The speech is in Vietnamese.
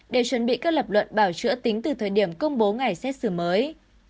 để chuẩn bị các lập luận bảo chữa tính từ thời điểm công bố ngày xét xử mới